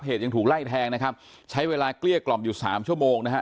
ยังถูกไล่แทงนะครับใช้เวลาเกลี้ยกล่อมอยู่สามชั่วโมงนะฮะ